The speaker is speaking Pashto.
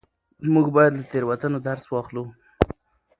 موږ باید له تېروتنو درس واخلو.